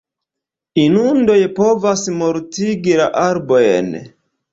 Inundoj povas mortigi la arbojn.